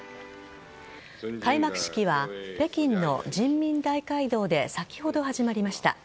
開幕式は北京の人民大会堂で先ほど始まりました。